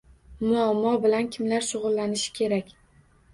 Muammo bilan kimlar shugʻullanishi kerak?